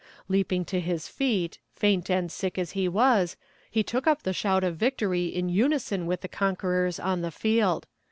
Leaping to his feet, faint and sick as he was, he took up the shout of victory in unison with the conquerers on the field.